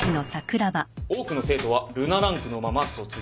・多くの生徒は月ランクのまま卒業。